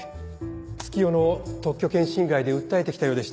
月夜野を特許権侵害で訴えてきたようでして。